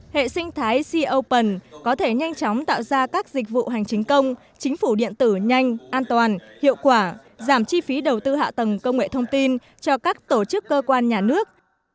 hệ sinh thái c open có thể nhanh chóng tạo ra các dịch vụ hành chính công chính phủ điện tử nhanh an toàn hiệu quả giảm chi phí đầu tư hạ tầng công nghệ thông tin cho các tổ chức cơ quan nhà nước